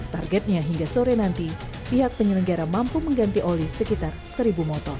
targetnya hingga sore nanti pihak penyelenggara mampu mengganti oli sekitar seribu motor